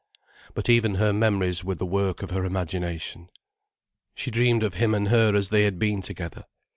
But even her memories were the work of her imagination. She dreamed of him and her as they had been together.